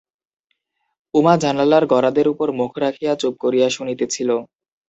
উমা জানালার গরাদের উপর মুখ রাখিয়া চুপ করিয়া শুনিতেছিল।